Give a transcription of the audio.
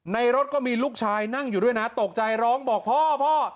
รถก็มีลูกชายนั่งอยู่ด้วยนะตกใจร้องบอกพ่อพ่อ